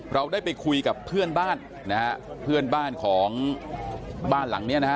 เราได้ไปคุยกับเพื่อนบ้านด์ของบ้านหลังเนี่ย